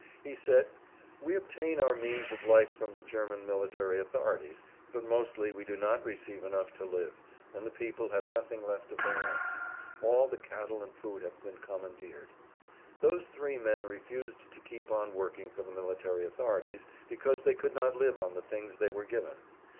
He said: "We obtain our means of life from the German military authorities, but mostly we do not receive enough to live, and the people have nothing left of their own; all the cattle and food have been commandeered. Those three men refused to keep on working for the military authorities, because they could not live on the things they were given.